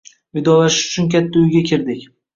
Vidolashish uchun katta uyga kirdik